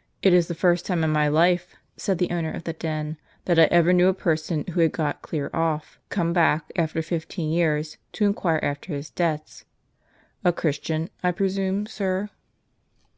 " It is the first time in my life," said the owner of the den, " that I ever knew a person who had got clear ofi", come back, after fifteen years, to inquire after his debts. A Christian, I presume, sir